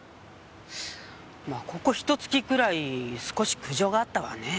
まあここひと月くらい少し苦情があったわねぇ。